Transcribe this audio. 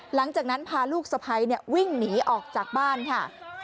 หลังจากนั้นพาลูกสะพ้ายวิ่งหนีออกจากบ้านค่ะ